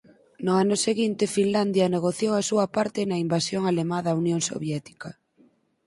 No ano seguinte Finlandia negociou a súa parte na invasión alemá da Unión Soviética.